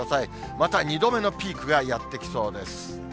また、２度目のピークがやってきそうです。